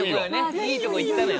いいとこ行ったのよ。